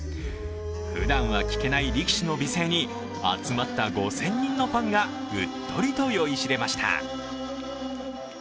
ふだんは聞けない力士の美声に集まった５０００人のファンがうっとりと酔いしれました。